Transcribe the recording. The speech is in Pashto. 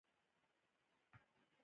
• د دوستۍ د ارزښت درک لپاره کښېنه.